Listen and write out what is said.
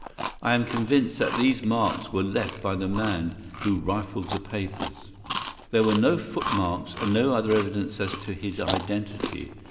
I am convinced that these marks were left by the man who rifled the papers. There were no footmarks and no other evidence as to his identity.